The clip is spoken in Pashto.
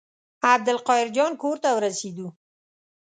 عبدالقاهر جان کور ته ورسېدو.